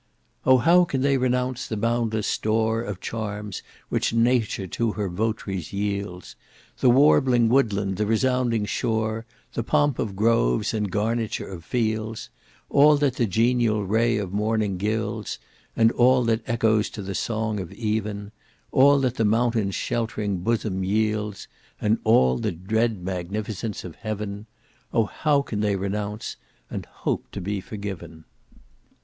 "Oh! how can they renounce the boundless store Of charms, which Nature to her vot'ries yields! The warbling woodland, the resounding shore, The pomp of groves, and garniture of fields, All that the genial ray of morning gilds, And all that echoes to the song of even, All that the mountain's sheltering bosom yields, And all the dread magnificence of heaven; Oh! how can they renounce, and hope to be forgiven!"